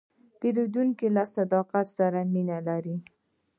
پیرودونکی له صداقت سره مینه لري.